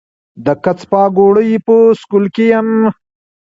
د کڅ پاګوړۍ پۀ سکول کښې يم